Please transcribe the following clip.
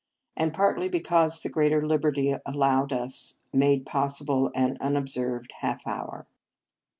and partly because the greater liberty al lowed us made possible an unob served half hour.